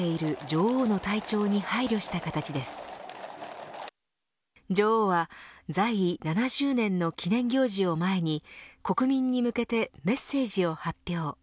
女王は在位７０年の記念行事を前に国民に向けてメッセージを発表。